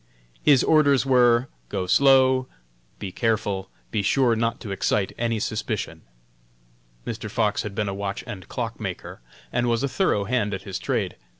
"His orders were: Go slow; be careful; be sure not to excite any suspicion." Mr. Fox had been a watch and clock maker, and was a thorough hand at his trade.